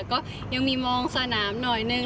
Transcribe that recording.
ก็ยังมีมองสนามหน่อยนึง